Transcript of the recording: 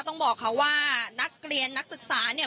ต้องบอกค่ะว่านักเรียนนักศึกษาเนี่ย